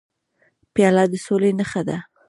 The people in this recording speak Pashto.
پیاله د سولې نښه ده.